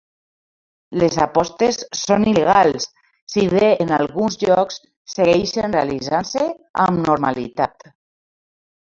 Les apostes són il·legals, si bé en alguns llocs segueixen realitzant-se amb normalitat.